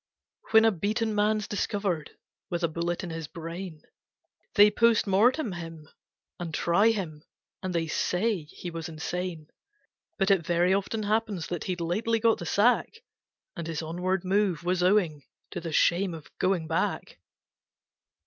When a beaten man's discovered with a bullet in his brain, They POST MORTEM him, and try him, and they say he was insane; But it very often happens that he'd lately got the sack, And his onward move was owing to the shame of going back.